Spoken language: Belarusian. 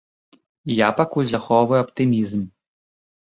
Я пакуль захоўваю аптымізм.